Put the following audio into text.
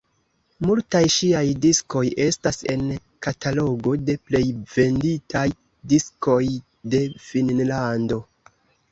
Multaj ŝiaj diskoj estas en katalogo de plej venditaj diskoj de Finnlando.